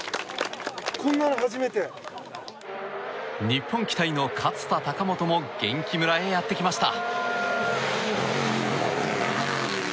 日本期待の勝田貴元も元気村へやってきました。